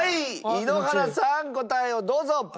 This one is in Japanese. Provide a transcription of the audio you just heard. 井ノ原さん答えをどうぞ。